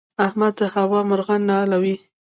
احمد د هوا مرغان نالوي.